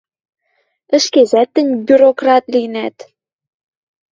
Ӹшкежӓт тӹнь бюрократ линӓт...